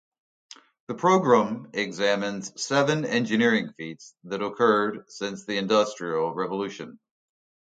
The programme examines seven engineering feats that occurred since the Industrial Revolution.